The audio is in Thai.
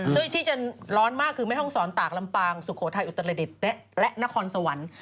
ซึ่งที่จะร้อนมากคือแม่ห้องศรตากลำปางสุโขทัยอุตรดิษฐ์และนครสวรรค์